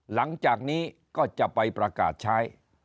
หลังจากนี้ก็จะไปประกาศใช้